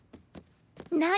何？